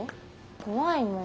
怖いもん。